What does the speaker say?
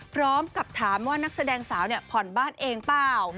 พร้อมกับถามว่านักแสดงสาวผ่อนบ้านเองเปล่า